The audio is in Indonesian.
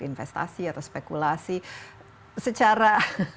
investasi atau spekulasi secara